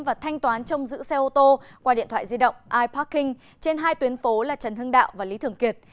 và thanh toán trông giữ xe ô tô qua điện thoại di động iparking trên hai tuyến phố là trần hưng đạo và lý thường kiệt